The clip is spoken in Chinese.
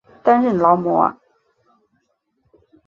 担任劳模。